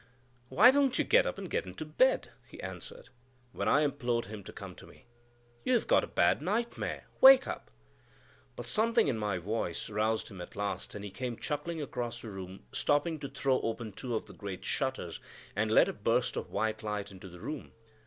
"Why don't you get up and get into bed?" he answered, when I implored him to come to me. "You have got a bad nightmare; wake up!" But something in my voice roused him at last, and he came chuckling across the room, stopping to throw open two of the great shutters and let a burst of white light into the room.